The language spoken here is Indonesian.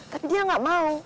tapi dia ga mau